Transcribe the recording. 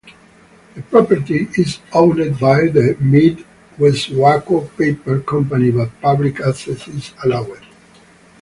The property is owned by the MeadWestvaco paper company but public access is allowed.